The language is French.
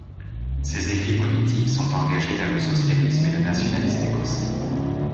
Ses écrits politiques sont engagés vers le socialisme et le nationalisme écossais.